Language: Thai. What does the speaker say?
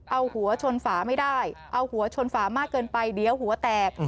เอาหัวชนฝาไม่ได้เอาหัวชนฝามากเกินไปเดี๋ยวหัวแตก